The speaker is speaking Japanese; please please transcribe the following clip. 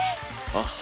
ああ。